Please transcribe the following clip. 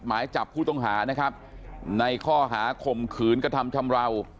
หมายจับผู้ต้องหานะครับในข้อหาข่มขืนกระทำชำราว